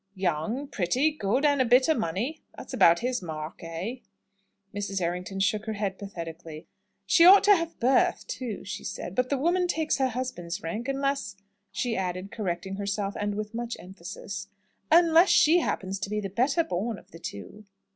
"Young, pretty, good, and a bit o' money. That's about his mark, eh?" Mrs. Errington shook her head pathetically. "She ought to have birth, too," she said. "But the woman takes her husband's rank; unless," she added, correcting herself, and with much emphasis, "unless she happens to be the better born of the two."